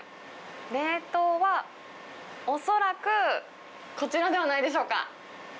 冷凍は恐らく、こちらではないでしょうか。